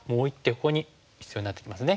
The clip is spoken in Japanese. ここに必要になってきますね。